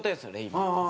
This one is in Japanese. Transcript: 今。